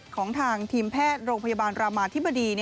ของทางทีมแพทย์โรงพยาบาลรามาธิบดี